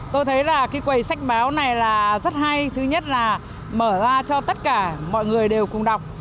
tôi thấy là cái quầy sách báo này là rất hay thứ nhất là mở ra cho tất cả mọi người đều cùng đọc